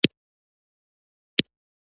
بدبختي ده، چي عقل او پوهه تربیه کوي.